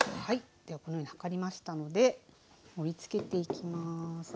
はいではこのように量りましたので盛りつけていきます。